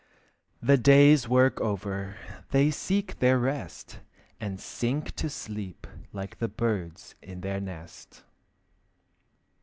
The day's work over, they seek their rest, And sink to sleep like the birds in their nest.